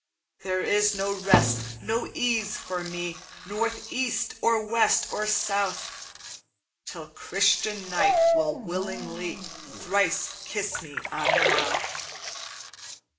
"'There is no rest, no ease for me North, east, or west, or south, Till Christian knight will willingly Thrice kiss me on the mouth.